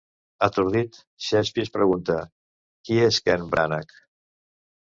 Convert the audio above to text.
Atordit, Shakespeare pregunta: Qui és Ken Branagh?